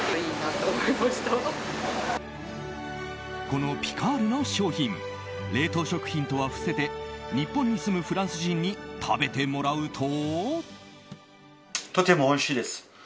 このピカールの商品冷凍食品とは伏せて日本に住むフランス人に食べてもらうと。